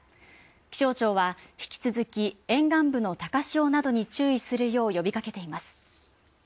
気象庁は引き続き、沿岸部の高潮などに注意するよう呼びかけています。